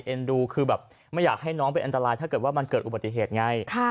ดูคือแบบไม่อยากให้น้องเป็นอันตรายถ้าเกิดว่ามันเกิดอุบัติเหตุไง